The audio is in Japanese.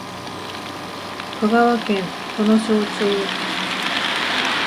香川県土庄町